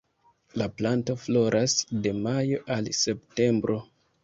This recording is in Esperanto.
La planto floras de majo al septembro.